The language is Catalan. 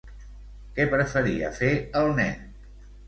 Què preferia fer el nen?